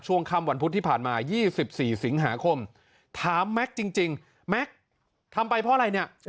ช่วงค่ำวันพุธที่ผ่านมา๒๔สิงหาคมถามแม็กซ์จริงแม็กซ์ทำไปเพราะอะไรเนี่ย